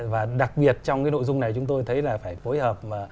và đặc biệt trong cái nội dung này chúng tôi thấy là phải phối hợp